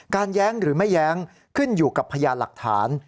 แย้งหรือไม่แย้งขึ้นอยู่กับพยานหลักฐาน